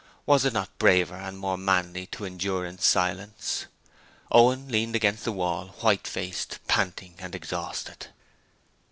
Was it not braver and more manly to endure in silence? Owen leaned against the wall, white faced, panting and exhausted.